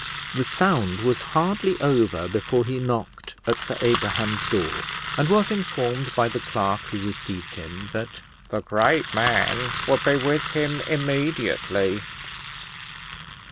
The sound was hardly over before he knocked at Sir Abraham's door, and was informed by the clerk who received him that the great man would be with him immediately.